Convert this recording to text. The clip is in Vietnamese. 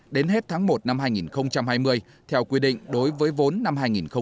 đến hết tháng một năm hai nghìn hai mươi theo quy định đối với vốn năm hai nghìn hai mươi